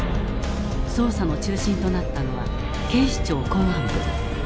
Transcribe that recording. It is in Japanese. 捜査の中心となったのは警視庁公安部。